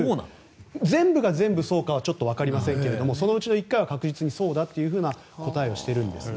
全部が全部そうかはわかりませんがそのうちの１回は確実にそうだという答えをしているんですね。